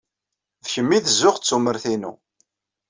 D kemm ay d zzux ed tumert-inu.